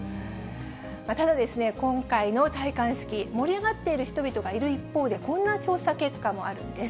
ただ、今回の戴冠式、盛り上がっている人々がいる一方で、こんな調査結果もあるんです。